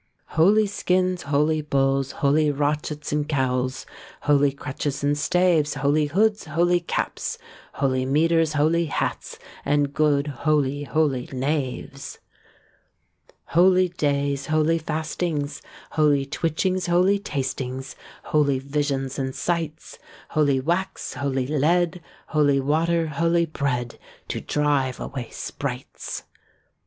Holy skins, holy bulls, Holy rochets, and cowls, Holy crutches and staves, Holy hoods, holy caps, Holy mitres, holy hats, And good holy holy knaves. Holy days, holy fastings, Holy twitchings, holy tastings Holy visions and sights, Holy wax, holy lead, Holy water, holy bread, To drive away sprites.